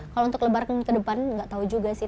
kalau untuk lebar ke depan nggak tahu juga sih